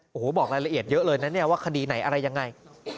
โอ้โหบอกรายละเอียดเยอะเลยนะเนี่ยว่าคดีไหนอะไรยังไง